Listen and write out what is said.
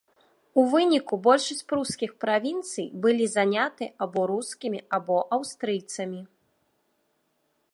У выніку большасць прускіх правінцый былі заняты або рускімі, або аўстрыйцамі.